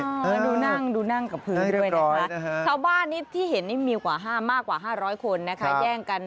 ดูนั่งดูนั่งกับพื้นด้วยนะคะชาวบ้านนี่ที่เห็นนี่มีกว่า๕มากกว่า๕๐๐คนนะคะแย่งกัน